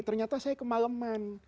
ternyata saya kemaleman